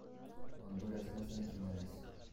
Honduras en las semifinales.